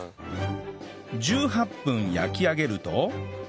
１８分焼き上げると